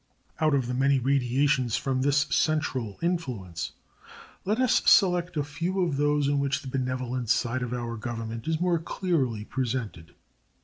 Out of the many radiations from this central influence, let us select a few of those in which the benevolent side of our Government is more clearly presented.